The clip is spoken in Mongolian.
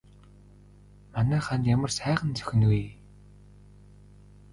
Манай хаанд ямар сайхан зохино вэ?